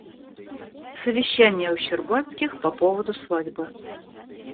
Совещание у Щербацких по поводу свадьбы.